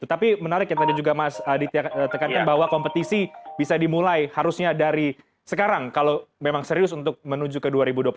tapi menarik yang tadi juga mas aditya tekankan bahwa kompetisi bisa dimulai harusnya dari sekarang kalau memang serius untuk menuju ke dua ribu dua puluh empat